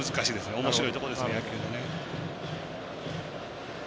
おもしろいところですね、野球の。